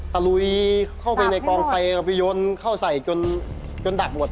ลุยเข้าไปในกองไฟเอาไปโยนเข้าใส่จนดักหมด